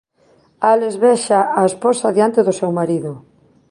Álex vexa a esposa diante do seu marido.